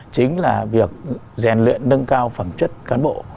chính là việc rèn luyện nâng cao phẩm chất cán bộ